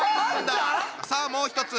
さあもう一つ！